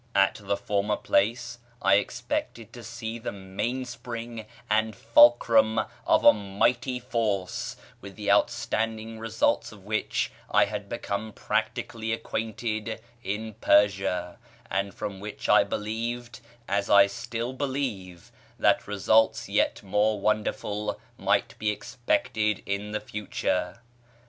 At the former place I expected to see 1 See Note U at end. [page xxi] the mainspring and fulcrum of a mighty force with the astonishing results of which I had become practically acquainted in Persia, and from which I believed (as I still believe) that results yet more wonderful might be expected in the future.